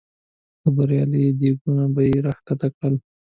د بریاني دیګونه به یې را ښکته کړل.